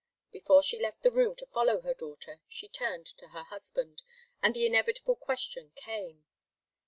Before she left the room to follow her daughter, she turned to her husband, and the inevitable question came.